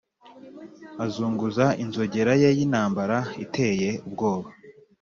azunguza inzogera ye y'intambara iteye ubwoba,